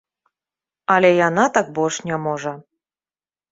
Але яна так больш не можа.